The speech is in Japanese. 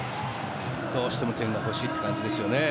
どうしても点が欲しいという感じですよね。